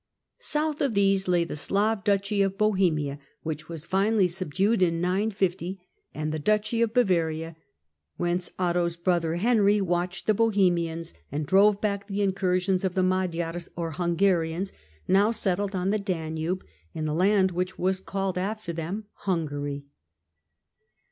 South of these lay the Slav duchy of Bohemia, which was finally subdued in 950, and the duchy of Bavaria, whence Otto's brother Henry watched the Bohemians, and drove back the incursions of the Magyars or Hungarians, now settled on the Danube in the land which was called after them Hungary.